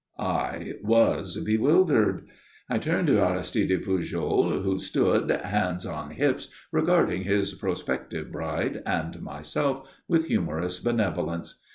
I was bewildered. I turned to Aristide Pujol, who stood, hands on hips, regarding his prospective bride and myself with humorous benevolence.